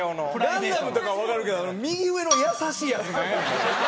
『ガンダム』とかはわかるけど右上の優しいやつなんやねん？